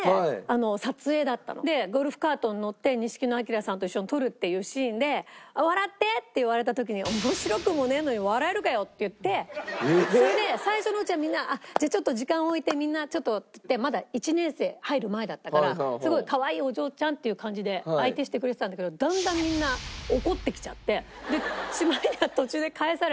ゴルフカートに乗って錦野旦さんと一緒に撮るっていうシーンで「笑って！」って言われた時に「面白くもねえのに笑えるかよ！」って言ってそれで最初のうちはみんな「じゃあ時間置いてみんなちょっと」っていってまだ１年生入る前だったからすごいかわいいお嬢ちゃんっていう感じで相手してくれてたんだけどだんだんみんな怒ってきちゃってしまいには途中で帰されて。